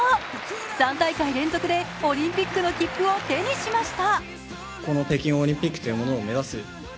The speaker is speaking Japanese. ３大会連続でオリンピックの切符を手にしました。